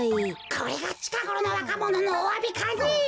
これがちかごろのわかもののおわびかねえ。